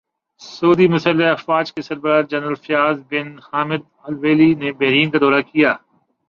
سعودی مسلح افواج کے سربراہ general Fayyaz bin Hamid Alruwaili نے بحرین کا دورہ کیا